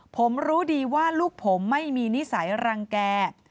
ผมรู้ดีว่าลูกผมไม่มีนิสัยรังแก่